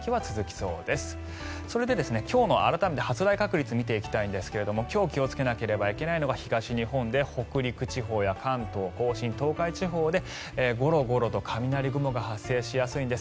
それで、今日の改めて発雷確率を見ていきたいんですが今日、気をつけなければいけないのが東日本で北陸地方や関東・甲信東海地方でゴロゴロと雷雲が発生しやすいんです。